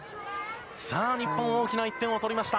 さあ、日本、大きな１点を取りました。